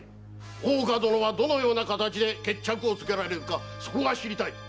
大岡殿はどのような形で決着をつけられるかそこが知りたい！